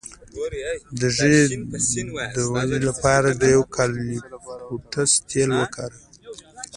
د ږیرې د ودې لپاره د یوکالیپټوس تېل وکاروئ